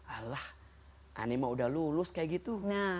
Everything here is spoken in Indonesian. alah anima sudah lulus seperti itu